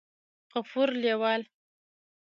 غفور لېوال